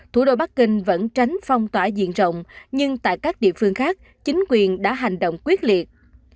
thủ đô bắc kinh vẫn tránh phong tỏa diện rộng nhưng tại các địa phương khác chính quyền đã hành động quyết liệt